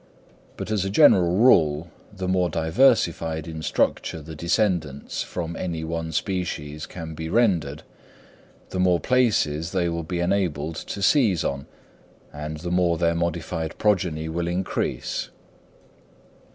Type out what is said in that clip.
But as a general rule, the more diversified in structure the descendants from any one species can be rendered, the more places they will be enabled to seize on, and the more their modified progeny will increase.